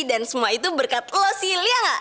dan semua itu berkat lo sil ya ga